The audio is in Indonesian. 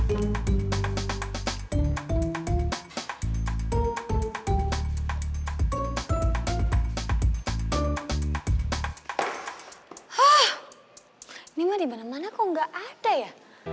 ini mah dimana mana kok gak ada ya